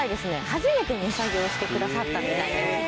初めて値下げをしてくださったみたいです。